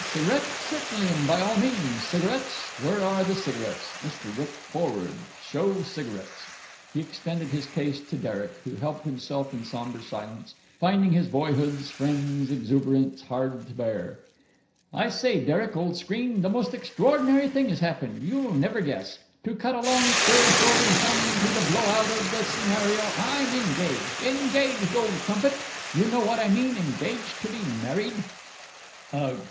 Cigarette? Certainly and by all means. Cigarettes? Where are the cigarettes? Mr. Rooke, forward! Show cigarettes." He extended his case to Derek, who helped himself in sombre silence, finding his boyhood's friend's exuberance hard to bear. "I say, Derek, old scream, the most extraordinary thing has happened! You'll never guess. To cut a long story short and come to the blow out of the scenario, I'm engaged! Engaged, old crumpet! You know what I mean engaged to be married!" "Ugh!"